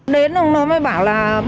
đến hôm đó mới bảo là ba gb